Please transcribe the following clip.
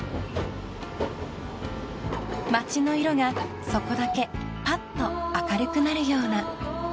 ［街の色がそこだけパッと明るくなるような］